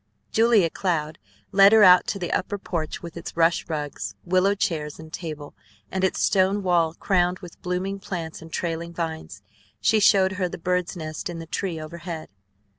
Julia Cloud led her out to the upper porch with its rush rugs, willow chairs, and table, and its stone wall crowned with blooming plants and trailing vines. She showed her the bird's nest in the tree overhead.